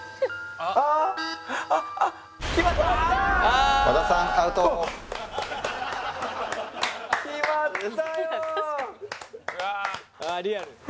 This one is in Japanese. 「ああリアル」